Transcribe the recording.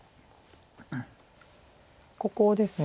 ここですね。